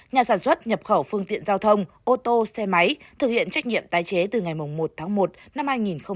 nhà sản xuất nhập khẩu phương tiện giao thông ô tô xe máy thực hiện trách nhiệm tái chế từ ngày một tháng một năm hai nghìn hai mươi